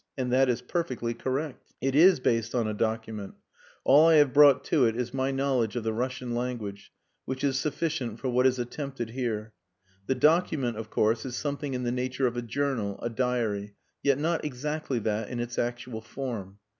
And that is perfectly correct. It is based on a document; all I have brought to it is my knowledge of the Russian language, which is sufficient for what is attempted here. The document, of course, is something in the nature of a journal, a diary, yet not exactly that in its actual form.